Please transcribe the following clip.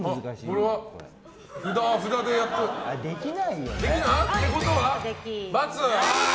これは、札でやっと。ってことは、×。